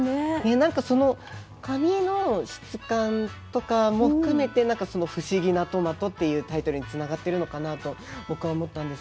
なんかその紙の質感とかも含めて「ふしぎなとまと」っていうタイトルにつながってるのかなと僕は思ったんですが。